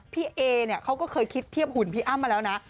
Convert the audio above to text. พี่เอเนี่ยเขาก็เคยคิดเทียบหุ่นพี่อ้ำมาแล้วนะ